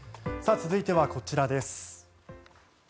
続いてはこちらです。